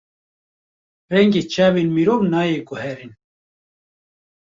Rengê çavên mirov nayê guherîn.